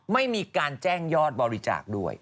ไม่มีการแจ้งยอดบริจาคด้วย